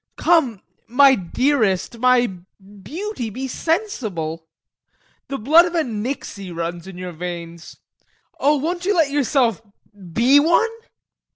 Come, my dearest, my beauty, be sensible! The blood of a Nixey runs in your veins. Oh, won't you let yourself be one?